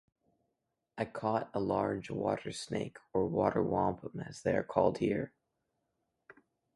I caught a large water snake or water wampum as they are called here.